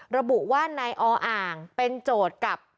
ระบุว่านายออ่างเป็นโจทย์กับ